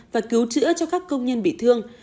và cứu trữa cho các công nhân bị thương